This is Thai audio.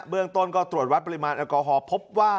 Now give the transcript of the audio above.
เบื้องต้นก็ตรวจวัดปริมาณแอลกอฮอล์